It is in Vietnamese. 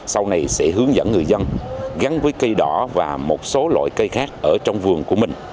sau này sẽ hướng dẫn người dân gắn với cây đỏ và một số loại cây khác ở trong vườn của mình